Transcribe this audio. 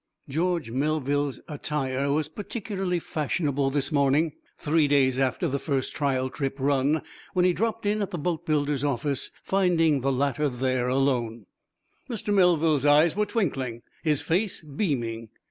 George Melville's attire was particularly fashionable this morning, three days after the first trial trip run, when he dropped in at the boatbuilder's office, finding the latter there alone. Mr. Melville's eyes were twinkling, his face beaming.